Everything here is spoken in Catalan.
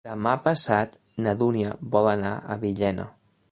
Demà passat na Dúnia vol anar a Villena.